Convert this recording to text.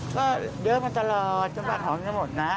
ก็เดินมาตลอดจนกระถองจะหมดนะ